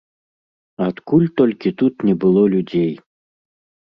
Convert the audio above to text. Адкуль толькі тут не было людзей!